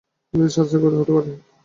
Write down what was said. এতে স্বাস্থ্যের ক্ষতি হতে পারে।